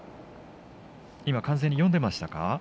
今、完全に読んでいましたか。